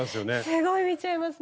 すごい見ちゃいますね。